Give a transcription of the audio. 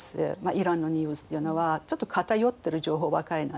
イランのニュースっていうのはちょっと偏ってる情報ばかりなんですよね。